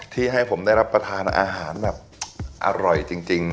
ที่ให้ผมได้รับประทานอาหารแบบอร่อยจริง